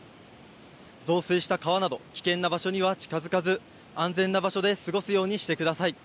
増水した川など危険な場所には近づかず安全な場所で過ごすようにしてください。